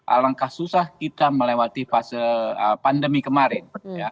alangkah susah kita melewati fase pandemi kemarin